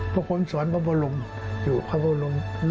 พระควรมสวรรค์พระบรมอยู่พระบรม